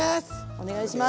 お願いします！